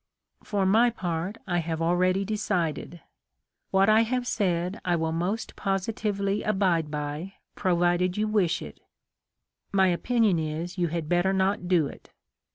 For my part I have already decided. What I have said I will most positively abide by, provided you wish it. My opinion is you had better not do it.